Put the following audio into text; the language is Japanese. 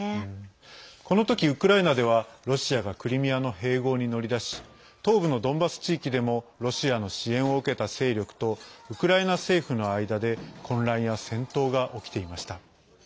この時ウクライナでは、ロシアがクリミアの併合に乗り出し東部のドンバス地域でもロシアの支援を受けた勢力とウクライナ政府の間で混乱や戦闘が起きていました。